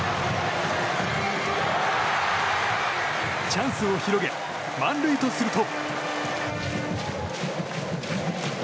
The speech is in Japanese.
チャンスを広げ満塁とすると。